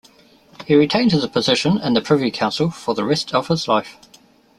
He retained his position in the Privy council for the rest of his life.